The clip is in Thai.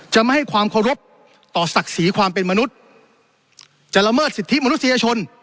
ไม่ให้ความเคารพต่อศักดิ์ศรีความเป็นมนุษย์จะละเมิดสิทธิมนุษยชน